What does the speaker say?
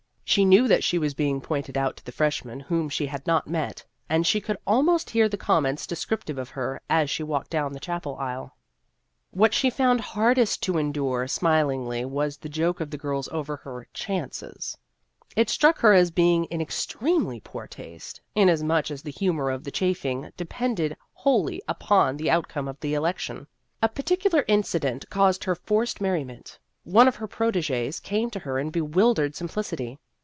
She knew that she was being pointed out to the freshmen whom she had not met, and she could almost hear the comments descriptive of her, as she walked down the chapel aisle. 50 Vassar Studies What she found hardest to endure smil ingly was the joking of the girls over her " chances." It struck her as being in ex tremely poor taste, inasmuch as the humor of the chaffing depended wholly upon the outcome of the election. A particular incident caused her forced merriment. One of her protegees came to her in bewildered simplicity.